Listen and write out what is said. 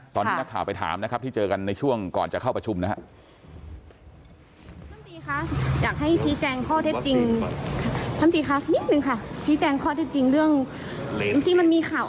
ตอนที่นักข่าวไปถามนะครับที่เจอกันในช่วงก่อนจะเข้าประชุมนะครับ